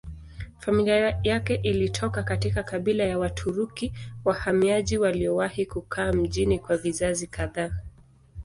Familia yake ilitoka katika kabila ya Waturuki wahamiaji waliowahi kukaa mjini kwa vizazi kadhaa.